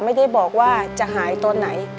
ไม่ได้บอกว่าจะหายตอนไหน